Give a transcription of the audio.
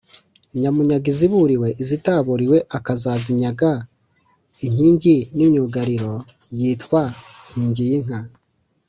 Nyamunyaga iziburiwe, izitaburiwe akazazinyaga inkingi n’imyugariro yitwa Nkingiyinka